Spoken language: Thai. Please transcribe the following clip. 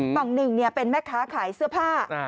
ฝั่งหนึ่งเป็นแม่ค้าขายเสื้อผ้า